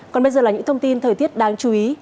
còn bây giờ là những thông tin thời tiết đáng chú ý